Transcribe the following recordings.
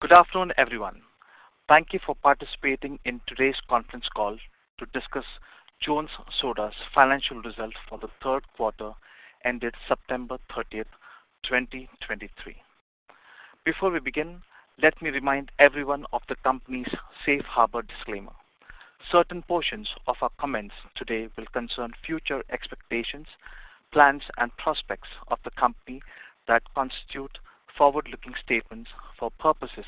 Good afternoon, everyone. Thank you for participating in today's conference call to discuss Jones Soda's financial results for the Q3 ended September 30, 2023. Before we begin, let me remind everyone of the company's Safe Harbor disclaimer. Certain portions of our comments today will concern future expectations, plans, and prospects of the company that constitute forward-looking statements for purposes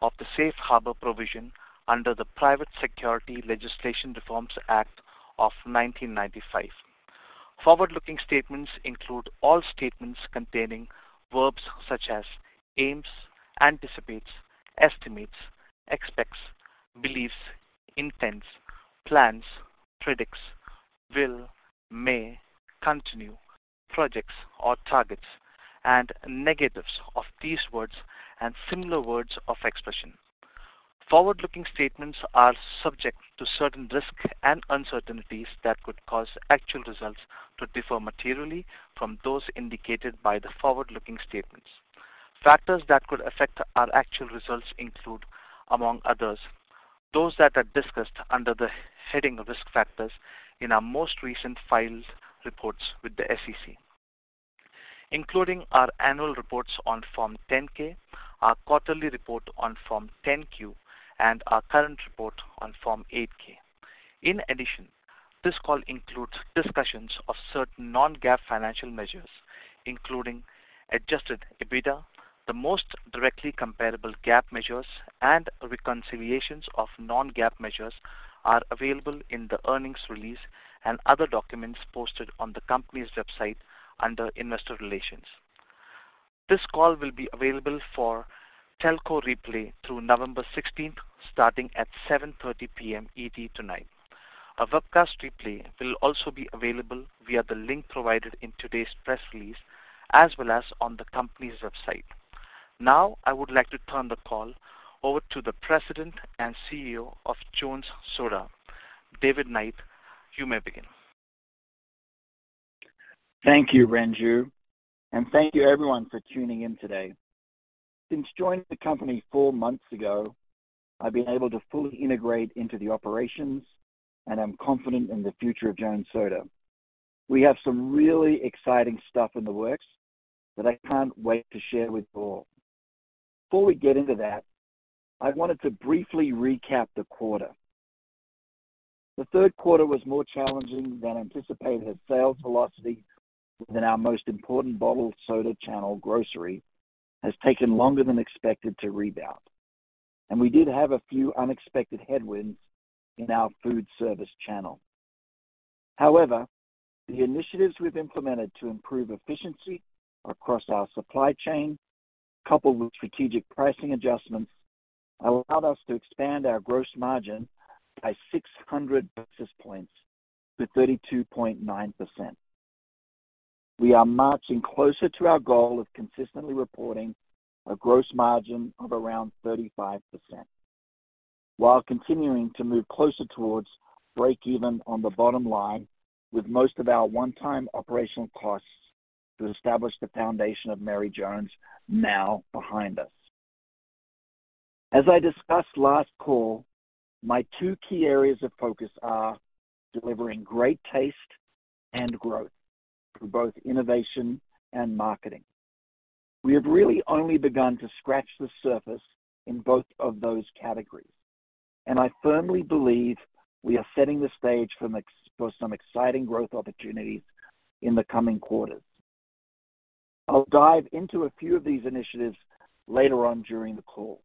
of the Safe Harbor provision under the Private Securities Litigation Reform Act of 1995. Forward-looking statements include all statements containing verbs such as aims, anticipates, estimates, expects, believes, intends, plans, predicts, will, may, continue, projects or targets, and negatives of these words and similar words of expression. Forward-looking statements are subject to certain risks and uncertainties that could cause actual results to differ materially from those indicated by the forward-looking statements. Factors that could affect our actual results include, among others, those that are discussed under the heading Risk Factors in our most recent filed reports with the SEC, including our annual reports on Form 10-K, our quarterly report on Form 10-Q, and our current report on Form 8-K. In addition, this call includes discussions of certain non-GAAP financial measures, including Adjusted EBITDA. The most directly comparable GAAP measures and reconciliations of non-GAAP measures are available in the earnings release and other documents posted on the company's website under Investor Relations. This call will be available for telco replay through November 16th, starting at 7:30 P.M. ET tonight. A webcast replay will also be available via the link provided in today's press release, as well as on the company's website. Now, I would like to turn the call over to the President and CEO of Jones Soda, David Knight. You may begin. Thank you, Renju, and thank you everyone for tuning in today. Since joining the company four months ago, I've been able to fully integrate into the operations, and I'm confident in the future of Jones Soda. We have some really exciting stuff in the works that I can't wait to share with you all. Before we get into that, I wanted to briefly recap the quarter. The Q3 was more challenging than anticipated, as sales velocity within our most important bottled soda channel, grocery, has taken longer than expected to rebound, and we did have a few unexpected headwinds in our food service channel. However, the initiatives we've implemented to improve efficiency across our supply chain, coupled with strategic pricing adjustments, allowed us to expand our gross margin by 600 basis points to 32.9%. We are marching closer to our goal of consistently reporting a gross margin of around 35%, while continuing to move closer towards breakeven on the bottom line, with most of our one-time operational costs to establish the foundation of Mary Jones now behind us. As I discussed last call, my two key areas of focus are delivering great taste and growth through both innovation and marketing. We have really only begun to scratch the surface in both of those categories, and I firmly believe we are setting the stage for for some exciting growth opportunities in the coming quarters. I'll dive into a few of these initiatives later on during the call,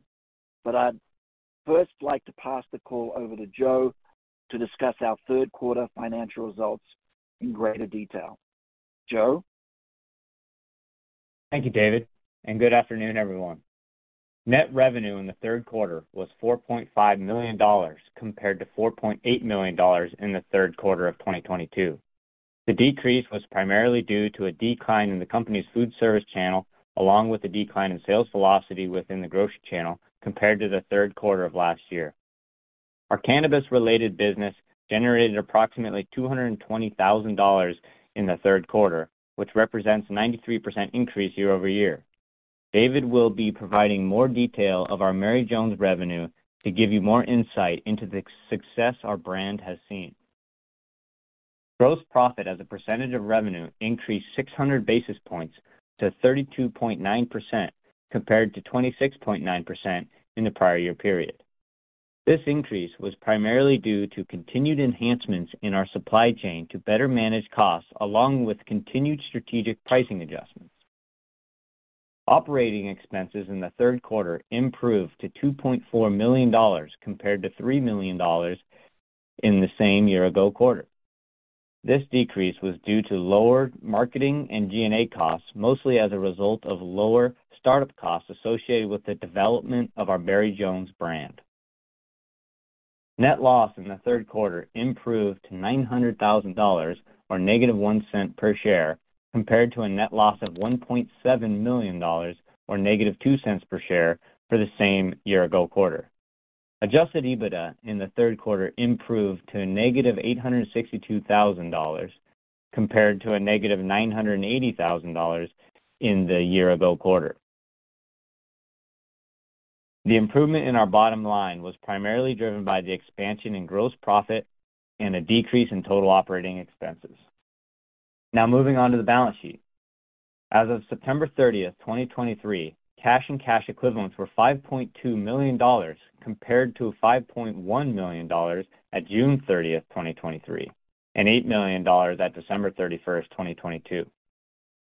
but I'd first like to pass the call over to Joe to discuss our Q3 financial results in greater detail. Joe? Thank you, David, and good afternoon, everyone. Net revenue in the Q3 was $4.5 million, compared to $4.8 million in the Q3 of 2022. The decrease was primarily due to a decline in the company's food service channel, along with a decline in sales velocity within the grocery channel compared to the Q3 of last year. Our cannabis-related business generated approximately $220,000 in the Q3, which represents 93% increase year-over-year. David will be providing more detail of our Mary Jones revenue to give you more insight into the success our brand has seen. Gross profit as a percentage of revenue increased 600 basis points to 32.9%, compared to 26.9% in the prior year period. This increase was primarily due to continued enhancements in our supply chain to better manage costs along with continued strategic pricing adjustments. Operating expenses in the Q3 improved to $2.4 million, compared to $3 million in the same year-ago quarter. This decrease was due to lower marketing and G&A costs, mostly as a result of lower startup costs associated with the development of our Mary Jones brand. Net loss in the Q3 improved to $900,000, or -$0.01 per share, compared to a net loss of $1.7 million or -$0.02 per share for the same year-ago quarter. Adjusted EBITDA in the Q3 improved to $-862,000, compared to $-980,000 in the year-ago quarter. The improvement in our bottom line was primarily driven by the expansion in gross profit and a decrease in total operating expenses. Now moving on to the balance sheet. As of September 30, 2023, cash and cash equivalents were $5.2 million, compared to $5.1 million at June 30, 2023, and $8 million at December 31, 2022.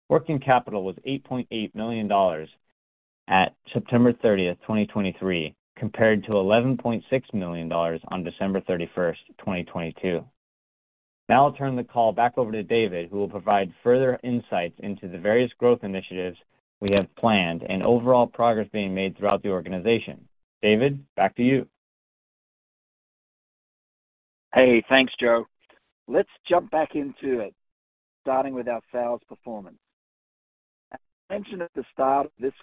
Working capital was $8.8 million at September 30, 2023, compared to $11.6 million on December 31, 2022. Now I'll turn the call back over to David, who will provide further insights into the various growth initiatives we have planned and overall progress being made throughout the organization. David, back to you. Hey, thanks, Joe. Let's jump back into it, starting with our sales performance. As I mentioned at the start of this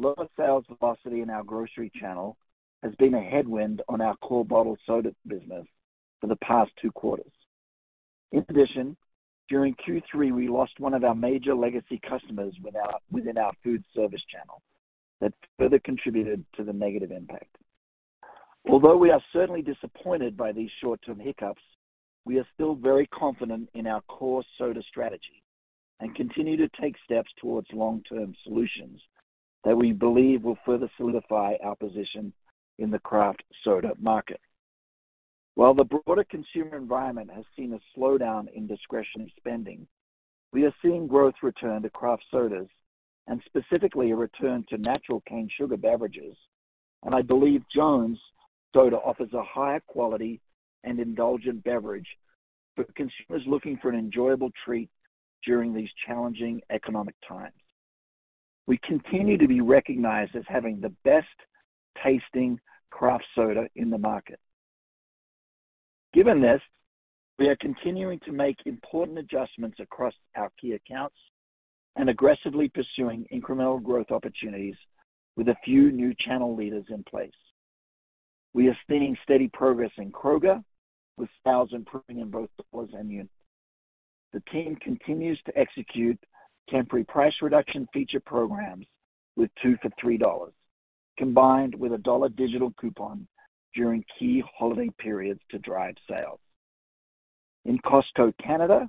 call, lower sales velocity in our grocery channel has been a headwind on our core bottled soda business for the past two quarters. In addition, during Q3, we lost one of our major legacy customers within our food service channel. That further contributed to the negative impact. Although we are certainly disappointed by these short-term hiccups, we are still very confident in our core soda strategy and continue to take steps towards long-term solutions that we believe will further solidify our position in the craft soda market. While the broader consumer environment has seen a slowdown in discretionary spending, we are seeing growth return to craft sodas and specifically a return to natural cane sugar beverages. I believe Jones Soda offers a higher quality and indulgent beverage for consumers looking for an enjoyable treat during these challenging economic times. We continue to be recognized as having the best-tasting craft soda in the market. Given this, we are continuing to make important adjustments across our key accounts and aggressively pursuing incremental growth opportunities with a few new channel leaders in place. We are seeing steady progress in Kroger, with sales improving in both dollars and units. The team continues to execute temporary price reduction feature programs with $2 for $3, combined with a $1 digital coupon during key holiday periods to drive sales. In Costco Canada,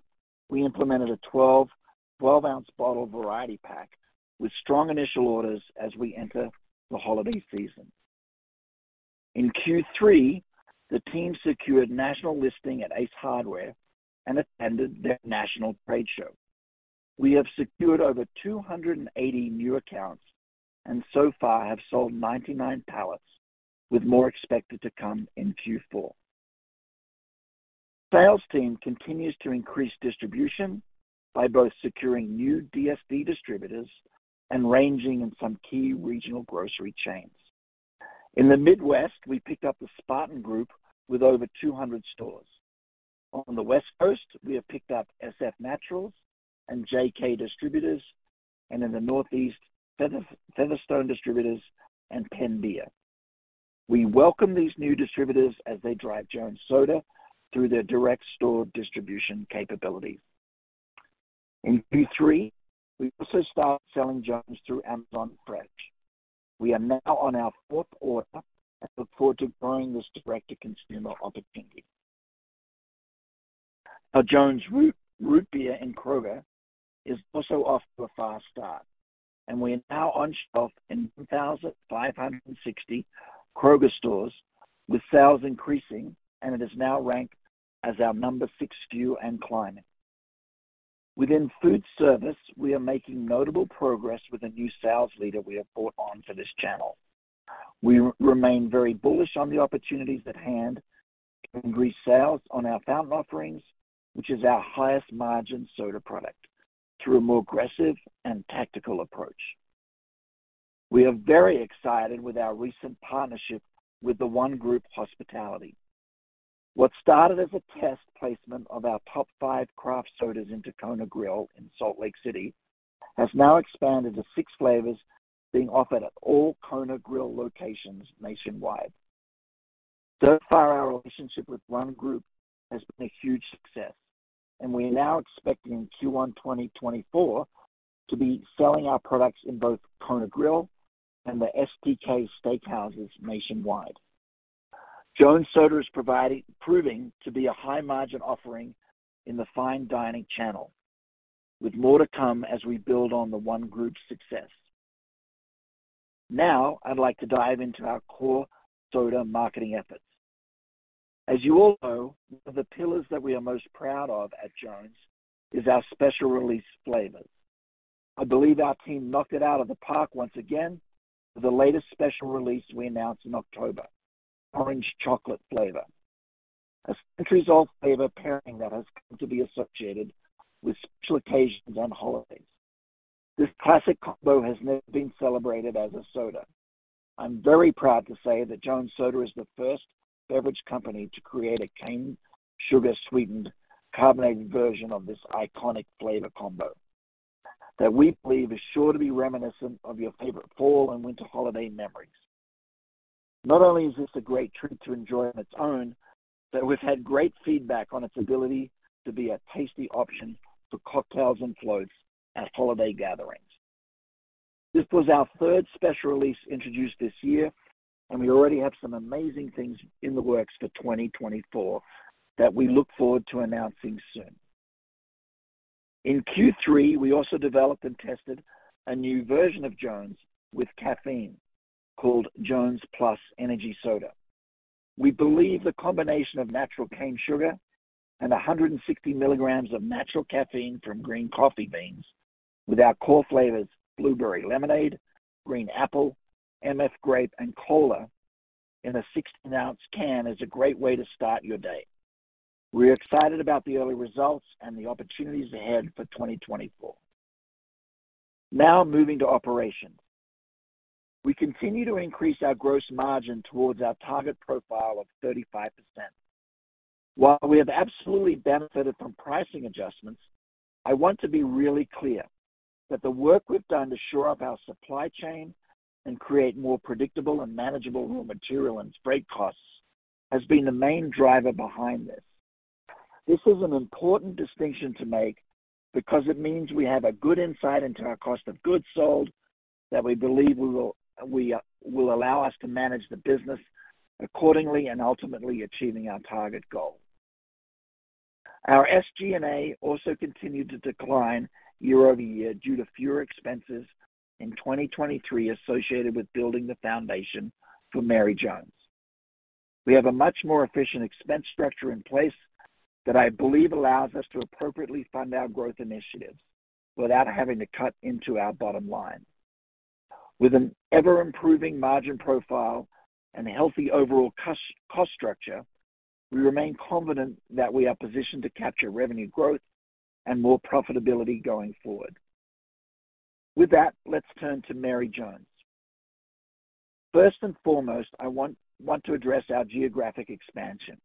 we implemented a 12, 12-ounce bottle variety pack with strong initial orders as we enter the holiday season. In Q3, the team secured national listing at Ace Hardware and attended their national trade show. We have secured over 280 new accounts and so far have sold 99 pallets, with more expected to come in Q4. Sales team continues to increase distribution by both securing new DSD distributors and ranging in some key regional grocery chains. In the Midwest, we picked up the Spartan Group with over 200 stores. On the West Coast, we have picked up SF Naturals and JK Distributors, and in the Northeast, Featherstone Distributors and Penn Beer. We welcome these new distributors as they drive Jones Soda through their direct store distribution capabilities. In Q3, we also started selling Jones through Amazon Fresh. We are now on our fourth order and look forward to growing this direct-to-consumer opportunity. Our Jones Root Beer in Kroger is also off to a fast start, and we are now on shelf in 1,560 Kroger stores, with sales increasing, and it is now ranked as our number six SKU and climbing. Within food service, we are making notable progress with a new sales leader we have brought on for this channel. We remain very bullish on the opportunities at hand to increase sales on our fountain offerings, which is our highest margin soda product, through a more aggressive and tactical approach. We are very excited with our recent partnership with The ONE Group Hospitality. What started as a test placement of our top five craft sodas into Kona Grill in Salt Lake City, has now expanded to six flavors being offered at all Kona Grill locations nationwide. So far, our relationship with ONE Group has been a huge success, and we are now expecting in Q1 2024 to be selling our products in both Kona Grill and the STK Steakhouses nationwide. Jones Soda is proving to be a high-margin offering in the fine dining channel, with more to come as we build on the ONE Group's success. Now, I'd like to dive into our core soda marketing efforts. As you all know, one of the pillars that we are most proud of at Jones is our special release flavors. I believe our team knocked it out of the park once again with the latest special release we announced in October, Orange Chocolate flavor. A centuries-old flavor pairing that has come to be associated with special occasions and holidays. This classic combo has never been celebrated as a soda. I'm very proud to say that Jones Soda is the first beverage company to create a cane sugar-sweetened, carbonated version of this iconic flavor combo, that we believe is sure to be reminiscent of your favorite fall and winter holiday memories. Not only is this a great treat to enjoy on its own, but we've had great feedback on its ability to be a tasty option for cocktails and floats at holiday gatherings. This was our third special release introduced this year, and we already have some amazing things in the works for 2024 that we look forward to announcing soon. In Q3, we also developed and tested a new version of Jones with caffeine, called Jones Plus Energy Soda. We believe the combination of natural cane sugar and 160 milligrams of natural caffeine from green coffee beans with our core flavors, Blueberry Lemonade, Green Apple, MF Grape, and Cola in a 16-ounce can is a great way to start your day. We're excited about the early results and the opportunities ahead for 2024. Now moving to operations. We continue to increase our gross margin towards our target profile of 35%. While we have absolutely benefited from pricing adjustments, I want to be really clear that the work we've done to shore up our supply chain and create more predictable and manageable raw material and freight costs has been the main driver behind this. This is an important distinction to make because it means we have a good insight into our cost of goods sold, that we believe we will allow us to manage the business accordingly and ultimately achieving our target goal. Our SG&A also continued to decline year-over-year due to fewer expenses in 2023 associated with building the foundation for Mary Jones. We have a much more efficient expense structure in place that I believe allows us to appropriately fund our growth initiatives without having to cut into our bottom line. With an ever-improving margin profile and a healthy overall cost structure, we remain confident that we are positioned to capture revenue growth and more profitability going forward. With that, let's turn to Mary Jones. First and foremost, I want to address our geographic expansion.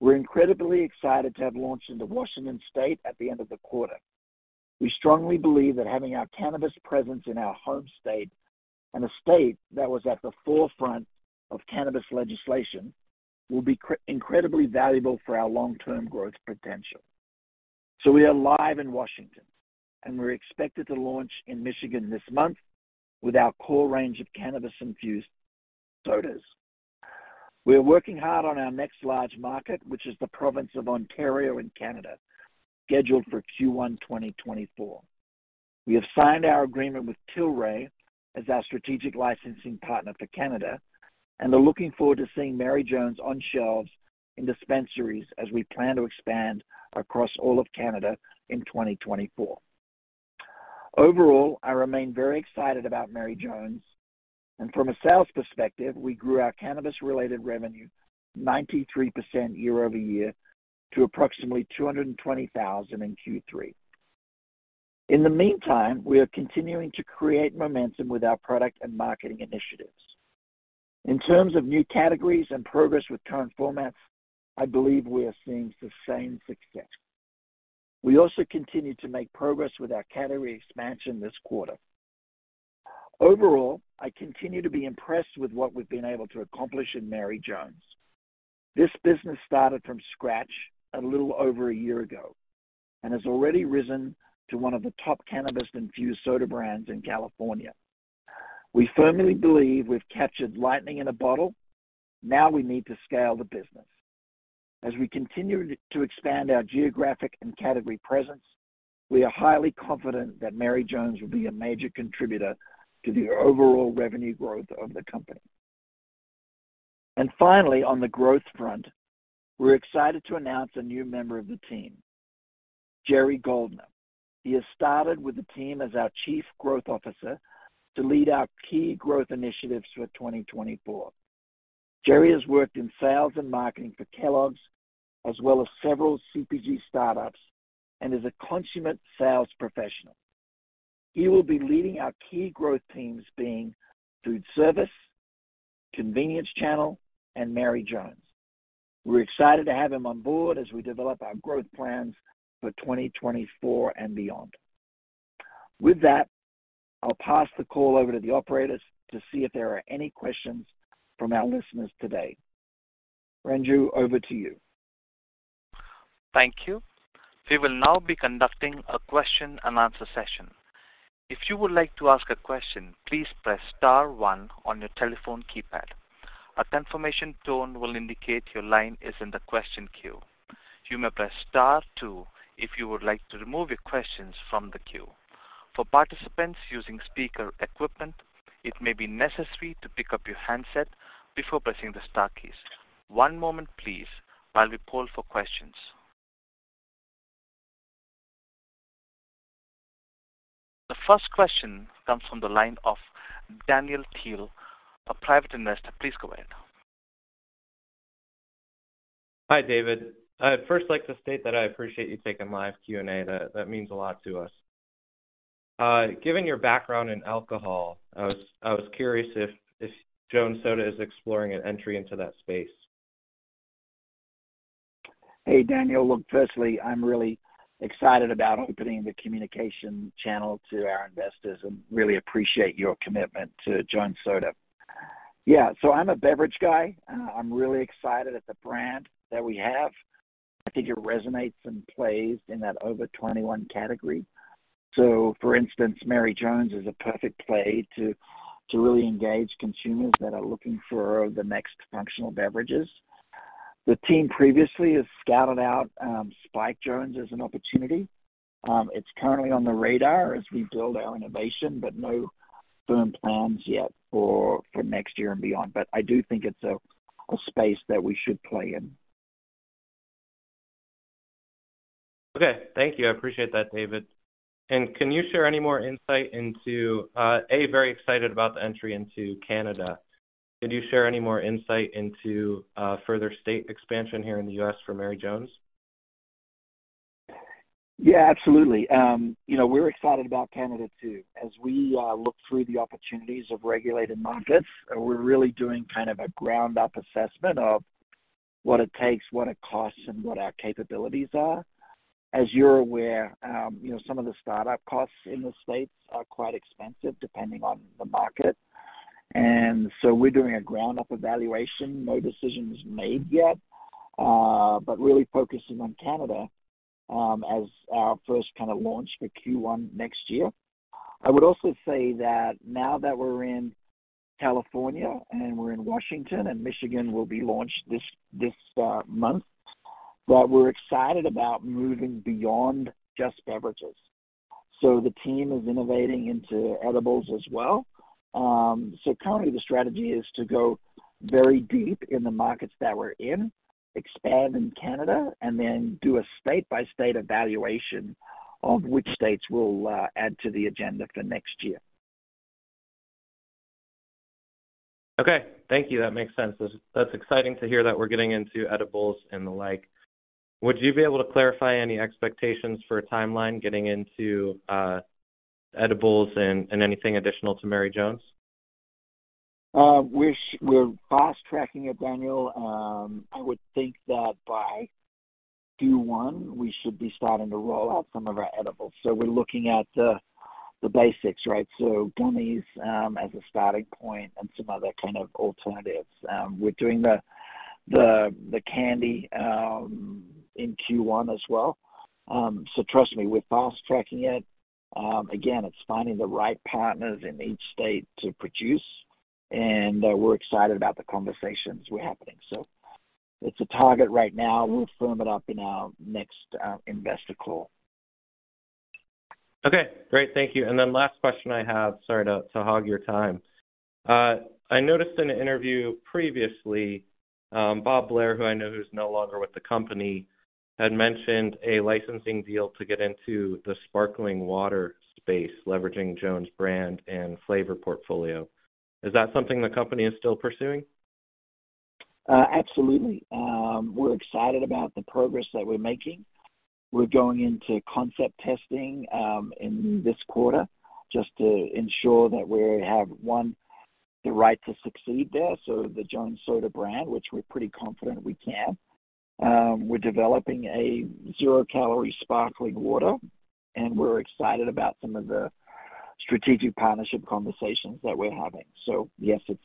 We're incredibly excited to have launched into Washington State at the end of the quarter. We strongly believe that having our cannabis presence in our home state and a state that was at the forefront of cannabis legislation will be incredibly valuable for our long-term growth potential. So we are live in Washington, and we're expected to launch in Michigan this month with our core range of cannabis-infused sodas. We are working hard on our next large market, which is the province of Ontario in Canada, scheduled for Q1 2024. We have signed our agreement with Tilray as our strategic licensing partner for Canada and are looking forward to seeing Mary Jones on shelves in dispensaries as we plan to expand across all of Canada in 2024. Overall, I remain very excited about Mary Jones, and from a sales perspective, we grew our cannabis-related revenue 93% year-over-year to approximately $220,000 in Q3. In the meantime, we are continuing to create momentum with our product and marketing initiatives. In terms of new categories and progress with current formats, I believe we are seeing the same success. We also continued to make progress with our category expansion this quarter. Overall, I continue to be impressed with what we've been able to accomplish in Mary Jones. This business started from scratch a little over a year ago and has already risen to one of the top cannabis-infused soda brands in California. We firmly believe we've captured lightning in a bottle. Now we need to scale the business. As we continue to expand our geographic and category presence, we are highly confident that Mary Jones will be a major contributor to the overall revenue growth of the company. Finally, on the growth front, we're excited to announce a new member of the team, Jerry Goldner. He has started with the team as our Chief Growth Officer to lead our key growth initiatives for 2024. Jerry has worked in sales and marketing for Kellogg's, as well as several CPG startups, and is a consummate sales professional. He will be leading our key growth teams, being food service, convenience channel, and Mary Jones. We're excited to have him on board as we develop our growth plans for 2024 and beyond. With that, I'll pass the call over to the operators to see if there are any questions from our listeners today. Renju, over to you. Thank you. We will now be conducting a question and answer session. If you would like to ask a question, please press star one on your telephone keypad. A confirmation tone will indicate your line is in the question queue. You may press star two if you would like to remove your questions from the queue. For participants using speaker equipment, it may be necessary to pick up your handset before pressing the star keys. One moment please while we poll for questions. The first question comes from the line of Daniel Teal, a private investor. Please go ahead. Hi, David. I'd first like to state that I appreciate you taking live Q&A. That means a lot to us. Given your background in alcohol, I was curious if Jones Soda is exploring an entry into that space? Hey, Daniel. Look, firstly, I'm really excited about opening the communication channel to our investors and really appreciate your commitment to Jones Soda. Yeah, so I'm a beverage guy. I'm really excited at the brand that we have. I think it resonates and plays in that over 21 category. So for instance, Mary Jones is a perfect play to, to really engage consumers that are looking for the next functional beverages. The team previously has scouted out Spiked Jones as an opportunity. It's currently on the radar as we build our innovation, but no firm plans yet for, for next year and beyond. But I do think it's a, a space that we should play in. Okay, thank you. I appreciate that, David. And can you share any more insight into. I'm very excited about the entry into Canada. Could you share any more insight into further state expansion here in the U.S. for Mary Jones? Yeah, absolutely. You know, we're excited about Canada, too. As we look through the opportunities of regulated markets, we're really doing kind of a ground-up assessment of what it takes, what it costs, and what our capabilities are. As you're aware, you know, some of the startup costs in the States are quite expensive, depending on the market. And so we're doing a ground-up evaluation. No decisions made yet, but really focusing on Canada, as our first kind of launch for Q1 next year. I would also say that now that we're in California and we're in Washington, and Michigan will be launched this month, that we're excited about moving beyond just beverages. So the team is innovating into edibles as well. Currently the strategy is to go very deep in the markets that we're in, expand in Canada, and then do a state-by-state evaluation of which states we'll add to the agenda for next year. Okay, thank you. That makes sense. That's, that's exciting to hear that we're getting into edibles and the like. Would you be able to clarify any expectations for a timeline getting into, edibles and, and anything additional to Mary Jones? We're fast-tracking it, Daniel. I would think that by Q1, we should be starting to roll out some of our edibles. So we're looking at the basics, right? So gummies as a starting point and some other kind of alternatives. We're doing the candy in Q1 as well. So trust me, we're fast-tracking it. Again, it's finding the right partners in each state to produce, and we're excited about the conversations we're happening. So it's a target right now. We'll firm it up in our next investor call. Okay, great. Thank you. And then last question I have. Sorry to hog your time. I noticed in an interview previously, Bohb Blair, who I know who's no longer with the company, had mentioned a licensing deal to get into the sparkling water space, leveraging Jones brand and flavor portfolio. Is that something the company is still pursuing? Absolutely. We're excited about the progress that we're making. We're going into concept testing in this quarter just to ensure that we have, one, the right to succeed there, so the Jones Soda brand, which we're pretty confident we can. We're developing a zero-calorie sparkling water, and we're excited about some of the strategic partnership conversations that we're having. So yes, it's,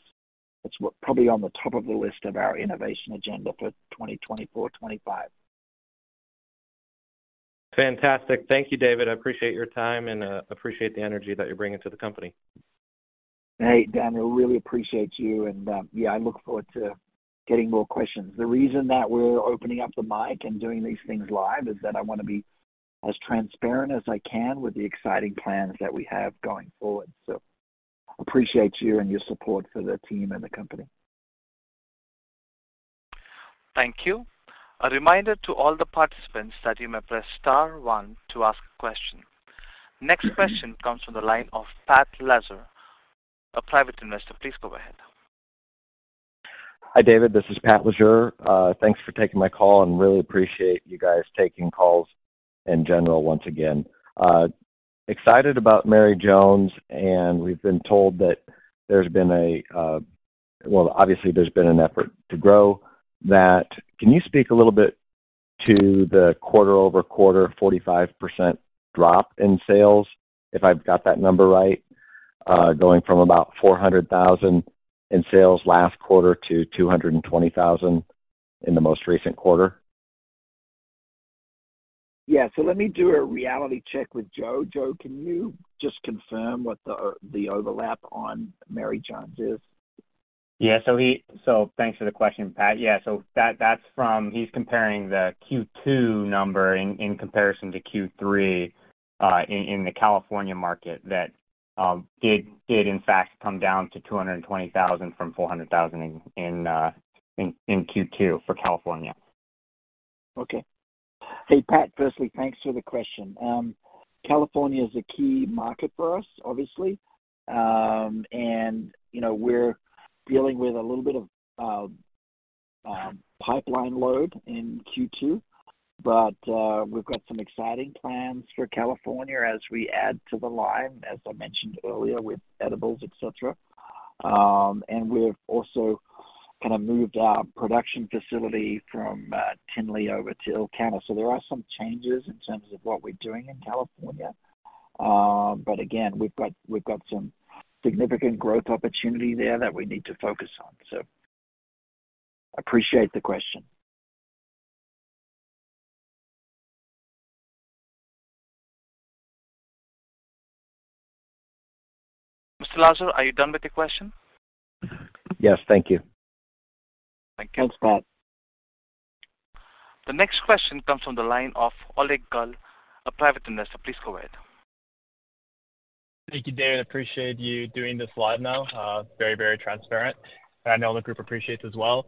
it's probably on the top of the list of our innovation agenda for 2024, 2025. Fantastic. Thank you, David. I appreciate your time and appreciate the energy that you're bringing to the company. Hey, Daniel, really appreciate you, and, yeah, I look forward to getting more questions. The reason that we're opening up the mic and doing these things live is that I want to be as transparent as I can with the exciting plans that we have going forward. So appreciate you and your support for the team and the company. Thank you. A reminder to all the participants that you may press star one to ask a question. Next question comes from the line of Pat Lazar, a private investor. Please go ahead. Hi, David. This is Pat Lazar. Thanks for taking my call and really appreciate you guys taking calls in general, once again. Excited about Mary Jones, and we've been told that there's been a. Well, obviously, there's been an effort to grow that. Can you speak a little bit to the quarter-over-quarter 45% drop in sales, if I've got that number right, going from about $400,000 in sales last quarter to $220,000 in the most recent quarter? Yeah. So let me do a reality check with Joe. Joe, can you just confirm what the overlap on Mary Jones is? Yeah, so thanks for the question, Pat. Yeah, so that's from... He's comparing the Q2 number in comparison to Q3 in the California market. That did in fact come down to $220,000 from $400,000 in Q2 for California. Okay. Hey, Pat, firstly, thanks for the question. California is a key market for us, obviously. And, you know, we're dealing with a little bit of pipeline load in Q2, but we've got some exciting plans for California as we add to the line, as I mentioned earlier, with edibles, et cetera. And we've also kind of moved our production facility from Tinley over to El Cajon. So there are some changes in terms of what we're doing in California. But again, we've got some significant growth opportunity there that we need to focus on. So appreciate the question. Mr. Lazare, are you done with your question? Yes. Thank you. Thank you. Thanks, Pat. The next question comes from the line of Oleg Gull, a private investor. Please go ahead. Thank you, David. Appreciate you doing this live now. Very, very transparent, and I know the group appreciates as well.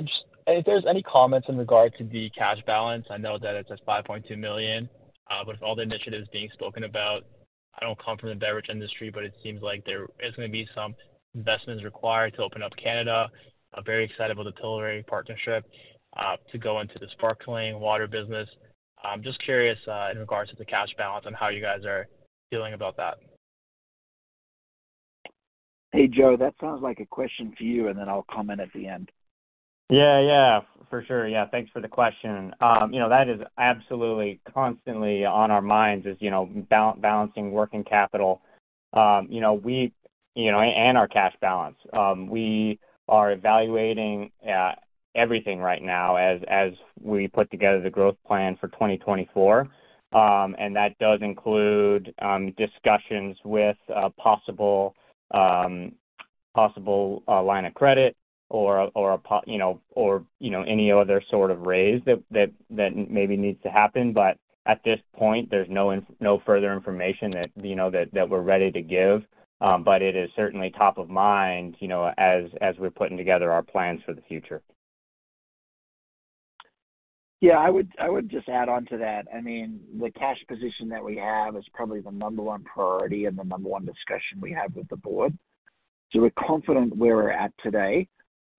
Just if there's any comments in regard to the cash balance, I know that it's at $5.2 million, but with all the initiatives being spoken about, I don't come from the beverage industry, but it seems like there is gonna be some investments required to open up Canada. I'm very excited about the Tilray partnership, to go into the sparkling water business. I'm just curious, in regards to the cash balance and how you guys are feeling about that. Hey, Joe, that sounds like a question for you, and then I'll comment at the end. Yeah, yeah, for sure. Yeah. Thanks for the question. You know, that is absolutely constantly on our minds, is, you know, balancing working capital. You know, we, you know, and our cash balance. We are evaluating everything right now as we put together the growth plan for 2024. And that does include discussions with possible line of credit or you know, or any other sort of raise that maybe needs to happen. But at this point, there's no further information that we're ready to give. But it is certainly top of mind, you know, as we're putting together our plans for the future. Yeah, I would, I would just add on to that. I mean, the cash position that we have is probably the number one priority and the number one discussion we have with the board. So we're confident where we're at today.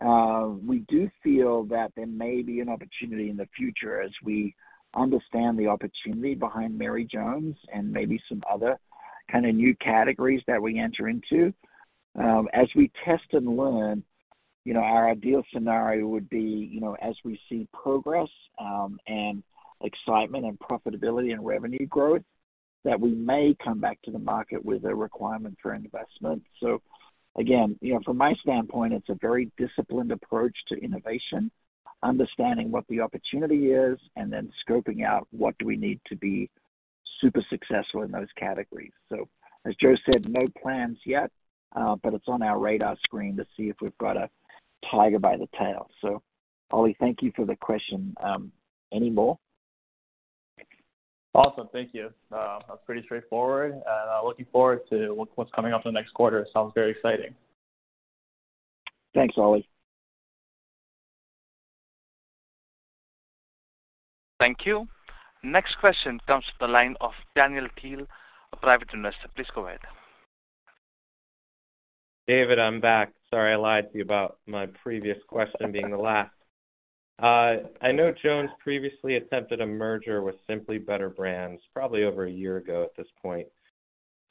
We do feel that there may be an opportunity in the future as we understand the opportunity behind Mary Jones and maybe some other kind of new categories that we enter into. As we test and learn, you know, our ideal scenario would be, you know, as we see progress, and excitement and profitability and revenue growth, that we may come back to the market with a requirement for investment. So again, you know, from my standpoint, it's a very disciplined approach to innovation, understanding what the opportunity is and then scoping out what do we need to be super successful in those categories. So as Joe said, no plans yet, but it's on our radar screen to see if we've got a tiger by the tail. So Ollie, thank you for the question. Any more? Awesome. Thank you. That's pretty straightforward, and looking forward to what's coming up in the next quarter. Sounds very exciting. Thanks, Ollie. Thank you. Next question comes to the line of Daniel Teal, a private investor. Please go ahead. David, I'm back. Sorry, I lied to you about my previous question being the last. I know Jones previously attempted a merger with Simply Better Brands, probably over a year ago at this point.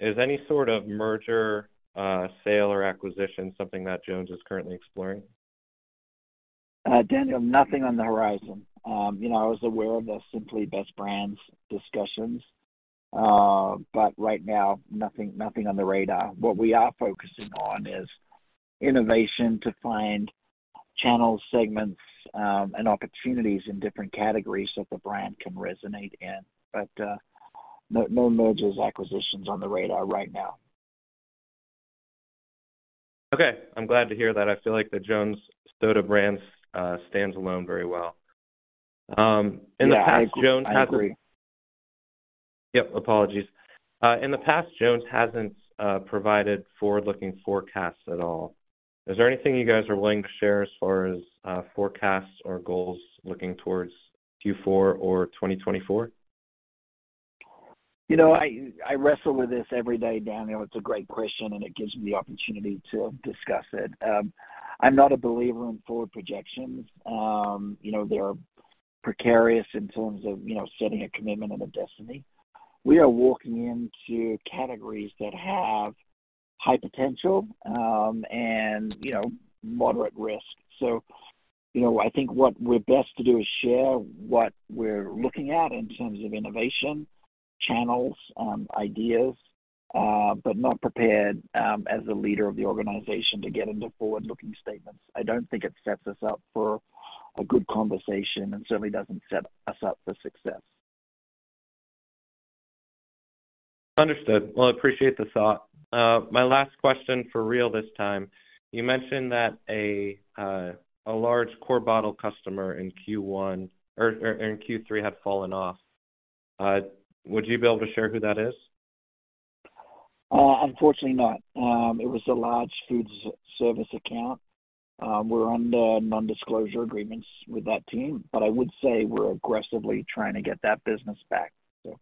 Is any sort of merger, sale, or acquisition something that Jones is currently exploring? Daniel, nothing on the horizon. you know, I was aware of the Simply Better Brands discussions, but right now, nothing, nothing on the radar. What we are focusing on is innovation to find channel segments, and opportunities in different categories that the brand can resonate in. But, no, no mergers, acquisitions on the radar right now. Okay, I'm glad to hear that. I feel like the Jones Soda brands stands alone very well. In the past, Jones hasn't- Yeah, I agree. Yep. Apologies. In the past, Jones hasn't provided forward-looking forecasts at all. Is there anything you guys are willing to share as far as forecasts or goals looking towards Q4 or 2024? You know, I wrestle with this every day, Daniel. It's a great question, and it gives me the opportunity to discuss it. I'm not a believer in forward projections. You know, they're precarious in terms of, you know, setting a commitment and a destiny. We are walking into categories that have high potential, and, you know, moderate risk. So, you know, I think what we're best to do is share what we're looking at in terms of innovation, channels, ideas, but not prepared, as the leader of the organization to get into forward-looking statements. I don't think it sets us up for a good conversation and certainly doesn't set us up for success. Understood. Well, I appreciate the thought. My last question, for real this time. You mentioned that a large core bottle customer in Q1 or in Q3 had fallen off. Would you be able to share who that is? Unfortunately not. It was a large food service account. We're under nondisclosure agreements with that team, but I would say we're aggressively trying to get that business back, so.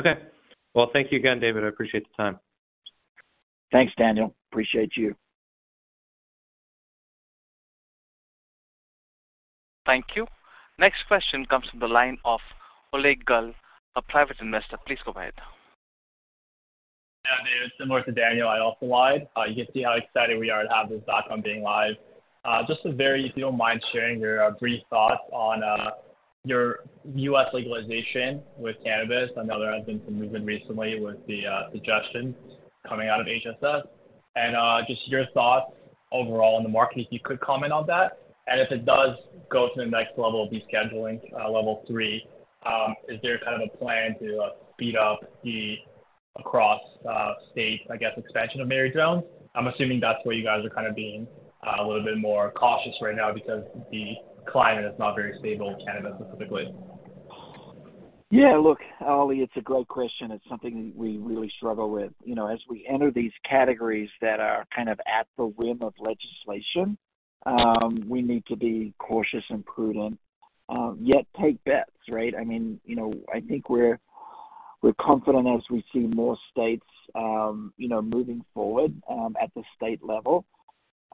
Okay. Well, thank you again, David. I appreciate the time. Thanks, Daniel. Appreciate you. Thank you. Next question comes from the line of Oleg Gull, a private investor. Please go ahead. Yeah, David, similar to Daniel, I also lied. You can see how excited we are to have this dot com being live. Just a very, if you don't mind sharing your brief thoughts on your U.S. legalization with cannabis. I know there has been some movement recently with the suggestions coming out of HHS. And just your thoughts overall on the market, if you could comment on that, and if it does go to the next level of de-scheduling, level three, is there kind of a plan to speed up the across state, I guess, expansion of Mary Jones? I'm assuming that's where you guys are kind of being a little bit more cautious right now because the climate is not very stable in cannabis specifically. Yeah, look, Ollie, it's a great question. It's something we really struggle with. You know, as we enter these categories that are kind of at the whim of legislation, we need to be cautious and prudent, yet take bets, right? I mean, you know, I think we're, we're confident as we see more states, you know, moving forward, at the state level.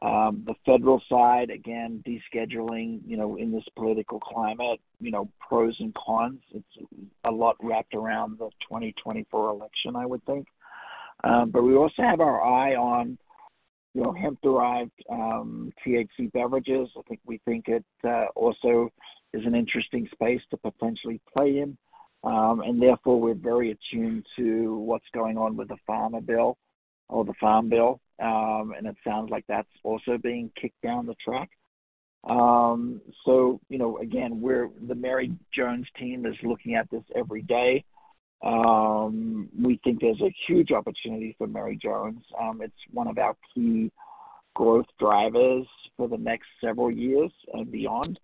The federal side, again, de-scheduling, you know, in this political climate, you know, pros and cons. It's a lot wrapped around the 2024 election, I would think. But we also have our eye on, you know, hemp-derived, THC beverages. I think we think it also is an interesting space to potentially play in. And therefore, we're very attuned to what's going on with the Farm Bill. And it sounds like that's also being kicked down the track. So you know, again, we're the Mary Jones team is looking at this every day. We think there's a huge opportunity for Mary Jones. It's one of our key growth drivers for the next several years and beyond.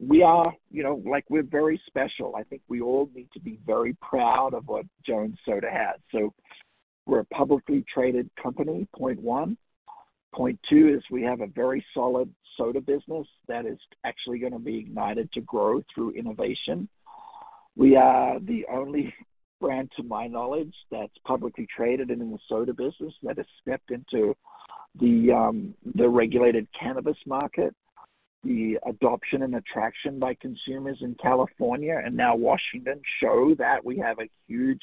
We are, you know, like, we're very special. I think we all need to be very proud of what Jones Soda has. So we're a publicly traded company, point one. Point two is we have a very solid soda business that is actually gonna be ignited to grow through innovation. We are the only brand, to my knowledge, that's publicly traded and in the soda business that has stepped into the regulated cannabis market. The adoption and attraction by consumers in California and now Washington show that we have a huge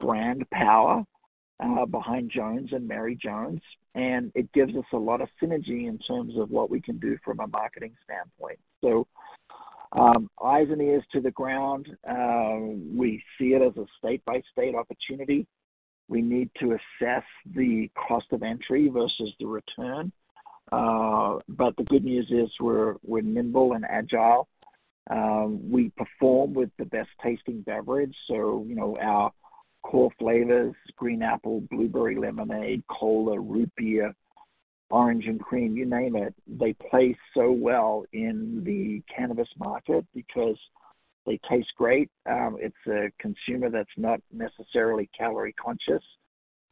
brand power behind Jones and Mary Jones, and it gives us a lot of synergy in terms of what we can do from a marketing standpoint. So, eyes and ears to the ground, we see it as a state-by-state opportunity. We need to assess the cost of entry versus the return. But the good news is we're nimble and agile. We perform with the best-tasting beverage. So you know, our core flavors, green apple, blueberry lemonade, cola, Root Beer, Orange and Cream, you name it. They play so well in the cannabis market because they taste great. It's a consumer that's not necessarily calorie conscious,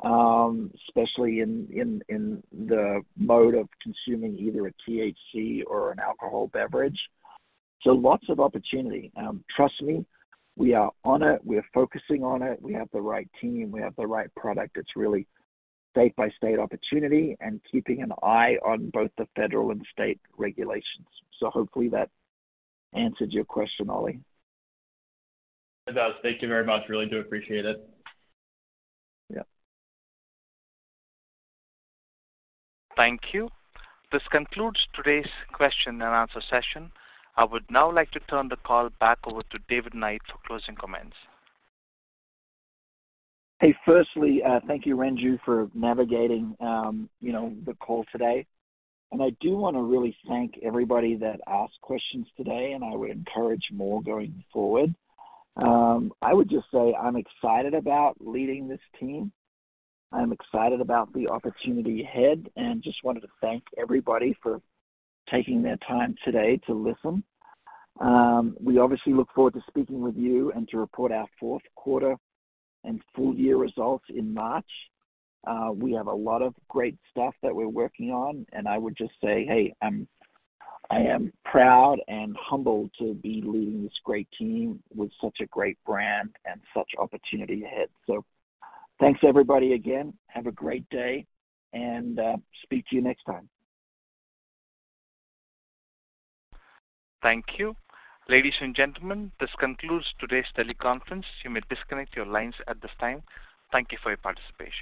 especially in the mode of consuming either a THC or an alcohol beverage. So lots of opportunity. Trust me, we are on it. We're focusing on it. We have the right team, we have the right product. It's really state-by-state opportunity and keeping an eye on both the federal and state regulations. So hopefully that answered your question, Ollie. It does. Thank you very much. Really do appreciate it. Yeah. Thank you. This concludes today's question and answer session. I would now like to turn the call back over to David Knight for closing comments. Hey, firstly, thank you, Renju, for navigating, you know, the call today. I do want to really thank everybody that asked questions today, and I would encourage more going forward. I would just say I'm excited about leading this team. I'm excited about the opportunity ahead, and just wanted to thank everybody for taking their time today to listen. We obviously look forward to speaking with you and to report our Q4 and full year results in March. We have a lot of great stuff that we're working on, and I would just say, hey, I am proud and humbled to be leading this great team with such a great brand and such opportunity ahead. So thanks everybody again. Have a great day, and speak to you next time. Thank you. Ladies and gentlemen, this concludes today's teleconference. You may disconnect your lines at this time. Thank you for your participation.